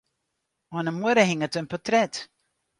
Oan 'e muorre hinget in portret.